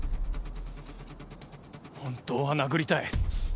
本当は殴りたい。